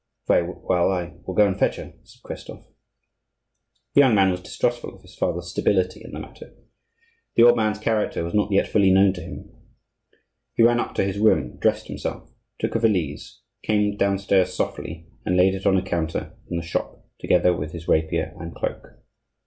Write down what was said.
"Very well, I will go and fetch her," said Christophe. The young man was distrustful of his father's stability in the matter. The old man's character was not yet fully known to him. He ran up to his room, dressed himself, took a valise, came downstairs softly and laid it on a counter in the shop, together with his rapier and cloak.